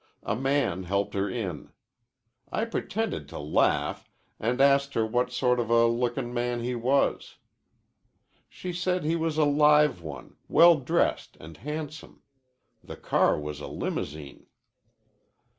A man helped her in. I pretended to laugh and asked her what sort of a lookin' man he was. She said he was a live one, well dressed and handsome. The car was a limousine."